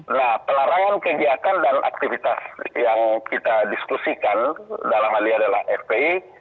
nah pelarangan kegiatan dan aktivitas yang kita diskusikan dalam hal ini adalah fpi